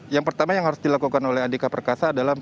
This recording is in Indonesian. yang pertama yang harus dilakukan oleh andika perkasa adalah